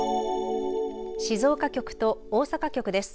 静岡局と大阪局です。